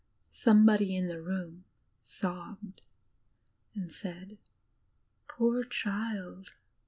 Somebody in the room sobbed and said, "Poor child."